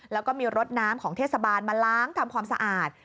แล้วก็มีรถน้ำของเทศบาลมาล้างทำความสะอาด